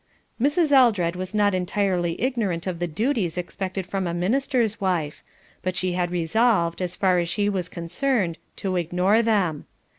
Mrs. Eldred was not entirely ignorant of the duties expected from a minister's wife, but she had resolved, as far as she was concerned, to ignore them.